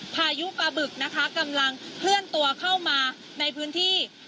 พายุปลาบึกนะคะกำลังเคลื่อนตัวเข้ามาในพื้นที่